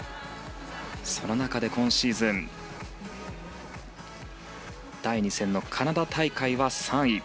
その中で今シーズン第２戦のカナダ大会は３位。